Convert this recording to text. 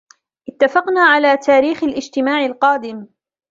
اتفقنا على تاريخ الاجتماع القادم.